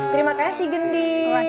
terima kasih gendis